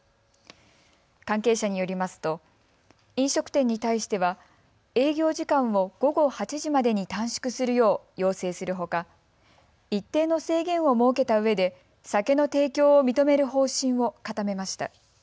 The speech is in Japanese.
関係者によりますと飲食店に対しては営業時間を午後８時までに短縮するよう要請するほか一定の制限を設けたうえで酒の提供を認める方針を固めました。